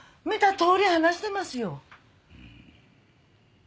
見たとおり話してますよ。